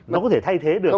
nó có thể thay thế được